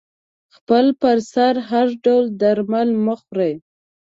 خپل پر سر هر ډول درمل مه خوری